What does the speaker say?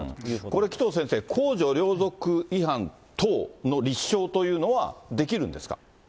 これ紀藤先生、公序良俗違反等の立証というのはできるんですか。